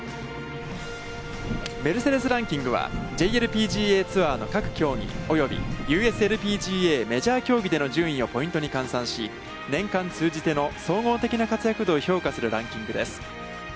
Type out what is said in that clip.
メルセデス・ランキングは、ＪＬＰＧＡツアーの各競技及びＵＳＬＰＧＡメジャー競技での順位をポイントに換算し、年間通じての総合的な活躍度を評価するランキングです。